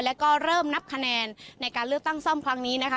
แล้วก็เริ่มนับคะแนนในการเลือกตั้งซ่อมครั้งนี้นะคะ